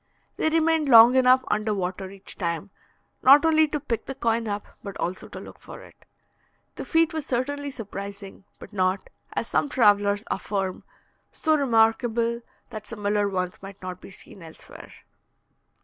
They remained long enough under water each time, not only to pick the coin up, but also to look for it. The feat was certainly surprising, but not, as some travellers affirm, so remarkable that similar ones might not be seen elsewhere.